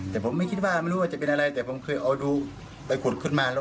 แต่ผมไม่คิดว่าไม่รู้ว่าจะเป็นอะไรแต่ผมเคยเอาดูไปขุดขึ้นมาแล้ว